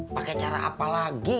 pakai cara apa lagi